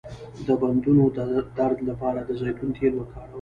د بندونو درد لپاره د زیتون تېل وکاروئ